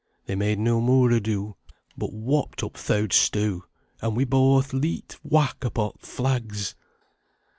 They made no moor ado But whopped up th' eawd stoo', An' we booath leet, whack upo' t' flags!